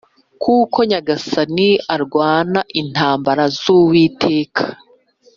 kuko Nyagasani urwana intambara z’Uwiteka